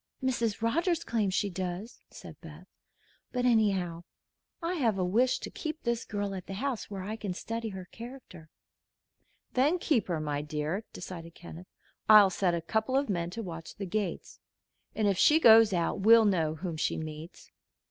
"Mrs. Rogers claims she does," said Beth. "But anyhow, I have a wish to keep this girl at the house, where I can study her character." "Then keep her, my dear," decided Kenneth. "I'll set a couple of men to watch the gates, and if she goes out we'll know whom she meets.